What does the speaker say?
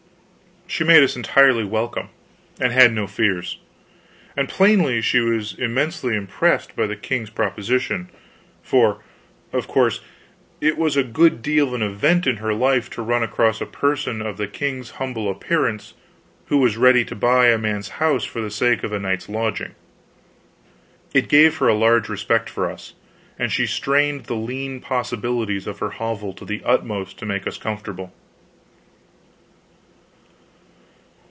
She made us entirely welcome, and had no fears; and plainly she was immensely impressed by the king's proposition; for, of course, it was a good deal of an event in her life to run across a person of the king's humble appearance who was ready to buy a man's house for the sake of a night's lodging. It gave her a large respect for us, and she strained the lean possibilities of her hovel to the utmost to make us comfortable.